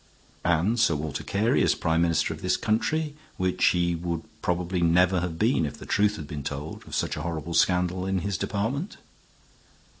And Sir Walter Carey is Prime Minister of this country, which he would probably never have been if the truth had been told of such a horrible scandal in his department.